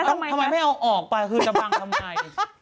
ทำไมไม่เอาออกไปคือจะบังทำไม